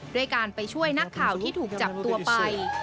ด้วยการไปช่วยนักข่าวที่ถูกจับตัวไป